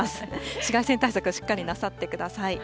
紫外線対策をしっかりなさってください。